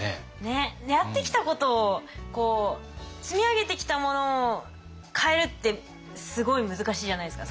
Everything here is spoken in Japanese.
やってきたことを積み上げてきたものを変えるってすごい難しいじゃないですか。